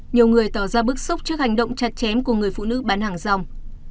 nhiều người tỏ ra bức xúc trước hành động chặt chém của người phụ nữ bán hàng rong